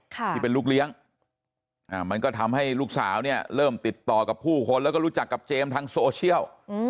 ที่เป็นลูกเลี้ยงมันก็ทำให้ลูกสาวเนี่ยเริ่มติดต่อกับผู้คนแล้วก็รู้จักกับเจมส์ทางโซเชียล